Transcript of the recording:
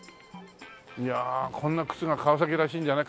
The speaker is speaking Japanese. いやこんな靴が川崎らしいんじゃない？